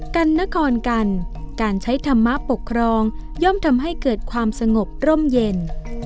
กันนครกันการใช้ธรรมะปกครองย่อมทำให้เกิดความสงบร่มเย็น